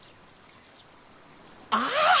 ああ！